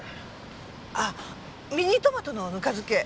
あっミニトマトのぬか漬け